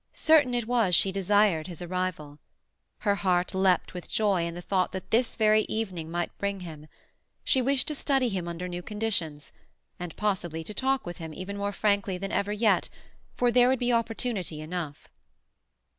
Certain it was she desired his arrival. Her heart leapt with joy in the thought that this very evening might bring him. She wished to study him under new conditions, and—possibly—to talk with him even more frankly than ever yet, for there would be opportunity enough.